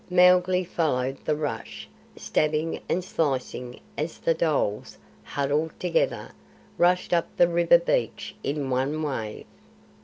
Mowgli followed the rush, stabbing and slicing as the dholes, huddled together, rushed up the river beach in one wave.